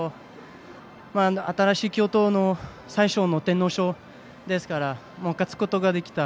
新しい京都の最初の天皇賞ですから勝つことができた。